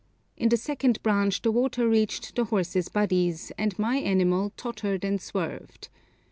In the second branch the water reached the horses' bodies, and my animal tottered and swerved.